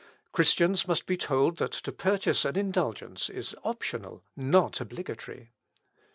"Christians must be told that to purchase an indulgence is optional, not obligatory.